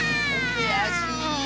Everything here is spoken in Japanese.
くやしい。